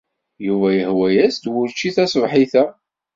Yuba yehwa-as-d wucci taṣebḥit-a.